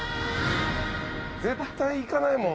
絶対いかないもん。